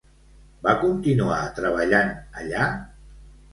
Va continuar treballant allà?